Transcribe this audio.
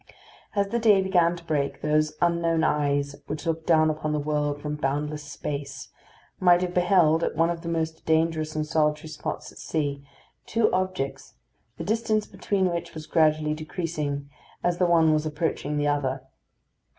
As the day began to break, those unknown eyes which look down upon the world from boundless space might have beheld, at one of the most dangerous and solitary spots at sea, two objects, the distance between which was gradually decreasing, as the one was approaching the other.